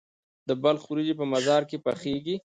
د بلخ وریجې په مزار کې پخیږي.